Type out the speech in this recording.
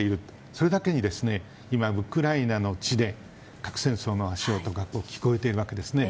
それだけに今、ウクライナの地で核戦争の足音が聞こえているわけですね。